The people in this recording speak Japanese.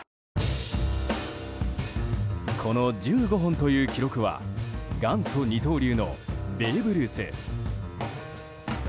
この１５本という記録は元祖二刀流のベーブ・ルース。